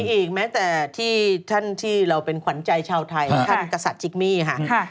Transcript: อีกแม้แต่ที่ท่านที่เราเป็นขวัญใจชาวไทยท่านกษัตริย์จิกมี่ค่ะ